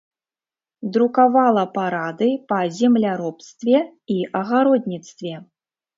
Друкавала парады па земляробстве і агародніцтве.